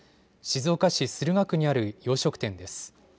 静岡市駿河区にある洋食店です。